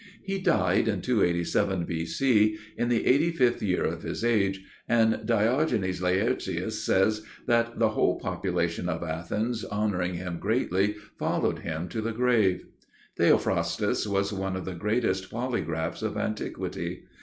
He died in 287 B.C. in the eighty fifth year of his age, and Diogenes Laertius says that "the whole population of Athens, honoring him greatly, followed him to the grave." Theophrastus was one of the greatest polygraphs of antiquity.